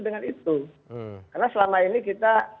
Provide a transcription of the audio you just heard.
dengan itu karena selama ini kita